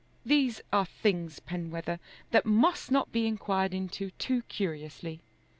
These are things, Penwether, that must not be inquired into too curiously.